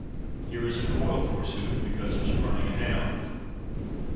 Here is a coil, forsooth, because of spuming a hound!"